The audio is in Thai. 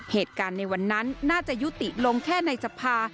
เหตุการณ์ในวันนั้นน่าจะยุติลงแค่ในสภา